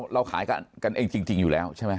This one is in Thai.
เราขายกันเองจริงอยู่แล้วใช่ไหม